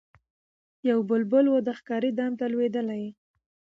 یو بلبل وو د ښکاري دام ته لوېدلی